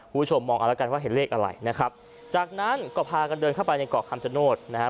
คุณผู้ชมมองเอาแล้วกันว่าเห็นเลขอะไรนะครับจากนั้นก็พากันเดินเข้าไปในเกาะคำชโนธนะครับ